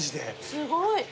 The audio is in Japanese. すごい。